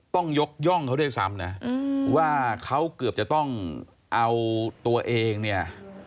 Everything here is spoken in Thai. ต้องยกย่องเขาด้วยซ้ำนะว่าเขาเกือบจะต้องเอาตัวเองเนี่ย